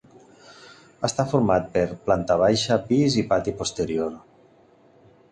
Està format per planta baixa, pis i un pati posterior.